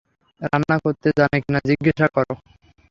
রান্না করতে জানে কিনা জিজ্ঞেসা কর।